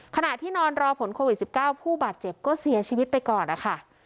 ขณะที่นอนรอผลโควิด๑๙ผู้บาดเจ็บก็เสียชีวิตไปก่อนนะคะ